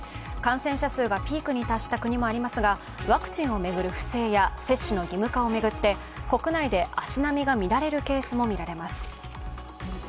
感染者数がピークに達した国もありますがワクチンを巡る不正や接種の義務化を巡って国内で足並みが乱れるケースもみられます。